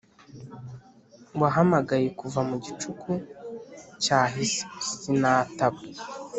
wahamagaye kuva mu gicucu cyahise sinataba